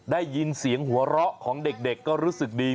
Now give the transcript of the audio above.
ได้ยินเสียงหัวเราะของเด็กก็รู้สึกดี